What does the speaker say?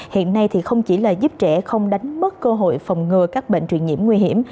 hiện nay không chỉ giúp trẻ không đánh mất cơ hội phòng ngừa các bệnh truyền nhiễm nguy hiểm